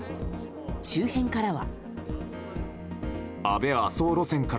周辺からは。